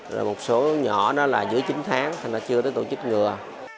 rồi một số nhỏ giữa chín tháng thành ra chưa tới tổ chích ngừa